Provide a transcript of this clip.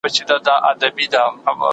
پښتو ادب له ویاړونو ډک تاریخ لري.